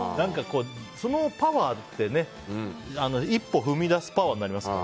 そのパワーって一歩踏み出すパワーになりますから。